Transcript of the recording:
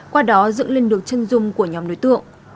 qua đó dựng lên được chân dung của nhóm đối tượng